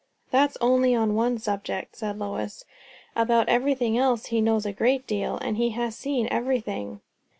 "That's only on one subject," said Lois. "About everything else he knows a great deal; and he has seen everything."